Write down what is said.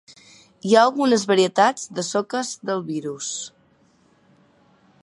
Hi ha algunes varietats de soques del virus.